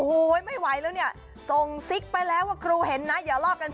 เออเออเออเออเออเออเออเออเออเออเออเออเออเออเออเออเออเออ